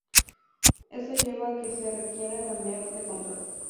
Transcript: Eso lleva a que se requiera cambiar de control.